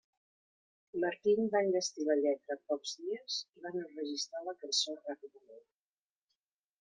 Martin va enllestir la lletra en pocs dies i van enregistrar la cançó ràpidament.